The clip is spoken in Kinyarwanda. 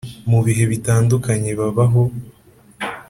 mu bihe bitandukanye babaho